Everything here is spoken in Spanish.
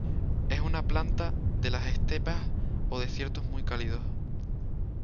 Es una planta de las estepas o desiertos muy cálidos.